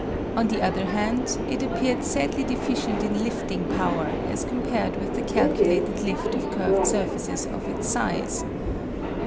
On the other hand, it appeared sadly deficient in lifting power as compared with the calculated lift of curved surfaces of its size.